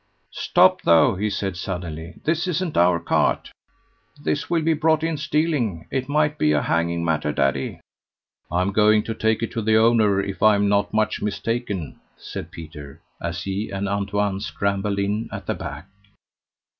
"Stop, though," he said suddenly; "this isn't our cart. This will be brought in stealing. It might be a hanging matter, daddy." "I'm going to take it to the owner if I'm not much mistaken," said Peter, as he and Antoine scrambled in at the back.